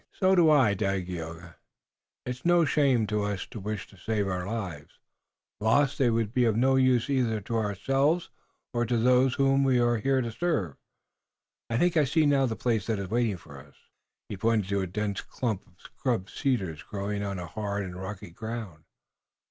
"So do I, Dagaeoga. It is no shame to us to wish to save our lives. Lost, they would be of no use either to ourselves or to those whom we are here to serve. I think I see now the place that is waiting for us." He pointed to a dense clump of scrub cedars growing on hard and rocky ground.